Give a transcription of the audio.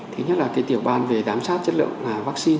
thứ nhất là tiểu ban về giám sát chất lượng vaccine